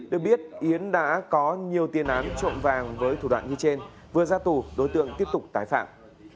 được biết yến đã có nhiều tiền án trộm vàng với thủ đoạn như trên vừa ra tù đối tượng tiếp tục tái phạm